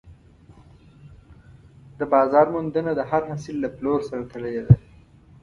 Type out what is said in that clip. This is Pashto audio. د بازار موندنه د هر حاصل له پلور سره تړلې ده.